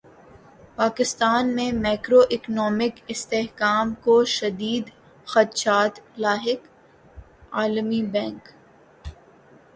پاکستان میں macro economic استحکام کو شدید خدشات لاحق عالمی بینک